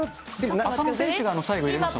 浅野選手が最後入れましたもんね。